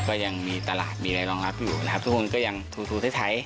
ก็ยังมีตลาดมีอะไรรองรับอยู่นะครับทุกคนก็ยังถูไทย